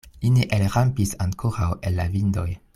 Li ne elrampis ankoraŭ el la vindoj.